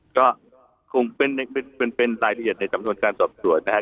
ก็คงเป็นรายละเอียดในสำนวนการสอบสวนนะครับ